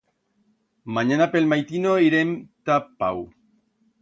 Manyana pe'l maitino irem ta Pau.